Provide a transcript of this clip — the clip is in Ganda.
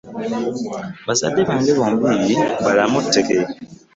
Bazadde bange bombi balamu tteke.